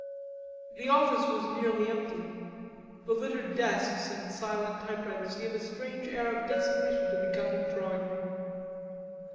The office was nearly empty. The littered desks and silent typewriters gave a strange air of desolation to the gutted drawing room.